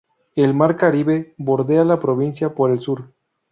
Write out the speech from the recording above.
El Mar Caribe bordea la provincia por el sur.